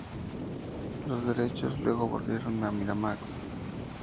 Los derechos luego volvieron a Miramax.